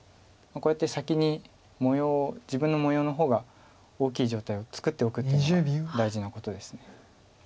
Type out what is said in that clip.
こうやって先に模様自分の模様の方が大きい状態を作っておくっていうのが大事なことです。